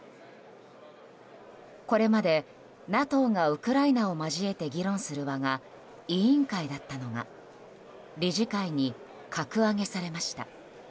これまでＮＡＴＯがウクライナを交えて議論する場が委員会だったのが理事会に格上げされました。